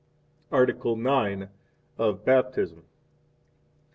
Article IX. Of Baptism.